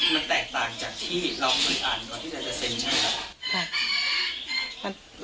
มันแตกต่างจากที่เราเคยอ่านก่อนที่เราจะเซ็นใช่ไหมครับ